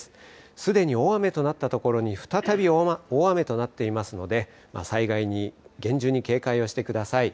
すでに大雨となったところに再び大雨となっていますので災害に厳重に警戒をしてください。